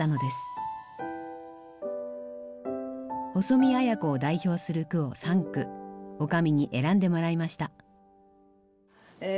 細見綾子を代表する句を３句女将に選んでもらいました。